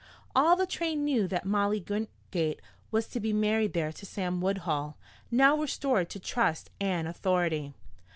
All the train knew that Molly Wingate was to be married there to Sam Woodhull, now restored to trust and authority.